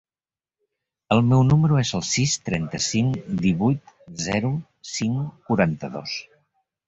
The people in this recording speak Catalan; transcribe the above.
El meu número es el sis, trenta-cinc, divuit, zero, cinc, quaranta-dos.